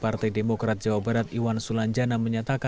partai demokrat jawa barat iwan sulanjana menyatakan